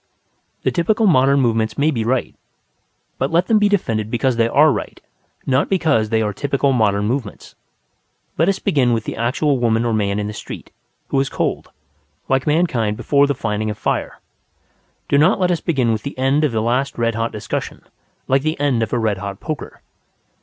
The typical modern movements may be right; but let them be defended because they are right, not because they are typical modern movements. Let us begin with the actual woman or man in the street, who is cold; like mankind before the finding of fire. Do not let us begin with the end of the last red hot discussion like the end of a red hot poker.